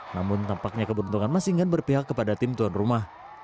namun tampaknya keberuntungan masing enggan berpihak kepada tim tuan rumah